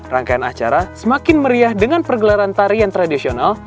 rangkaian acara semakin meriah dengan pergelaran tarian tradisional